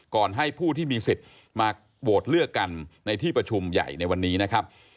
ให้ผู้ที่มีสิทธิ์มาโหวตเลือกกันในที่ประชุมใหญ่ในวันนี้นะครับ